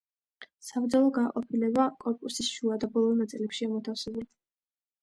საბრძოლო განყოფილება კორპუსის შუა და ბოლო ნაწილებშია მოთავსებული.